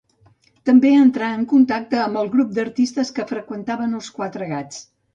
També entrà en contacte amb el grup d'artistes que freqüentaven els Quatre Gats.